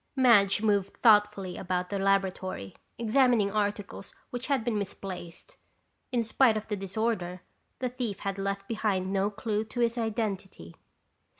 Madge moved thoughtfully about the laboratory examining articles which had been misplaced. In spite of the disorder, the thief had left behind no clue to his identity.